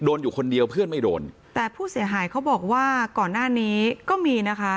อยู่คนเดียวเพื่อนไม่โดนแต่ผู้เสียหายเขาบอกว่าก่อนหน้านี้ก็มีนะคะ